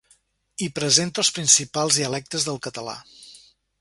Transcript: Hi presenta els principals dialectes del català.